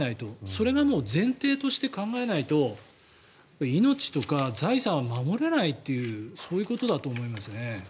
それが前提として考えないと命とか財産を守れないっていうそういうことだと思いますね。